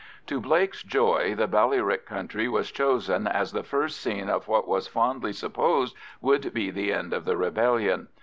To Blake's joy, the Ballyrick country was chosen as the first scene of what was fondly supposed would be the end of the rebellion.